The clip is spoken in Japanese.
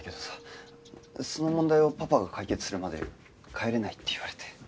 その問題をパパが解決するまで帰れないって言われて。